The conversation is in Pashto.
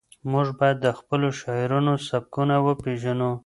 موږ باید د خپلو شاعرانو سبکونه وپېژنو.